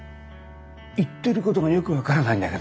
言ってることがよく分からないんだけどもな。